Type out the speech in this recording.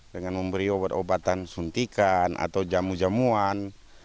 dengan memberi obat obatan suntikan atau jamu jamuan